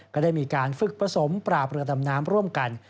ก็ได้มีการฝึกผสมปราบเรือดำน้ำร่วมกัน